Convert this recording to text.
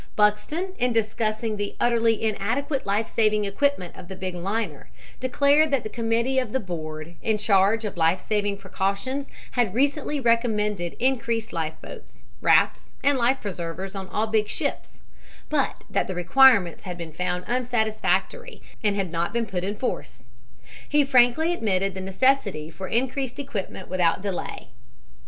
Buxton, in discussing the utterly inadequate life saving equipment of the big liner, declared that the committee of the board in charge of life saving precautions had recently recommended increased life boats, rafts and life preservers on all big ships, but that the requirements had been found unsatisfactory and had not been put in force. He frankly admitted the necessity for increased equipment without delay.